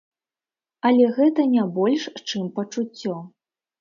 Але гэта не больш, чым пачуццё.